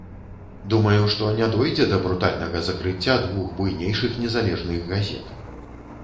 Думаю, што не дойдзе да брутальнага закрыцця двух буйнейшых незалежных газет.